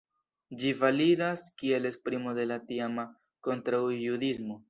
Ĝi validas kiel esprimo de la tiama kontraŭjudismo.